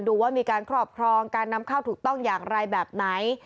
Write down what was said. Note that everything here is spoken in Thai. ดูว่ามีการครอบครองการนำเข้าถูกต้องอย่างไรแบบไหน